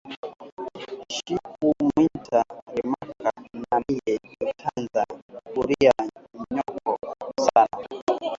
Shiku minta rimaka namiye mitanza kuria myoko sana